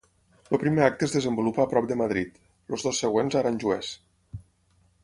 El primer acte es desenvolupa a prop de Madrid, els dos següents a Aranjuez.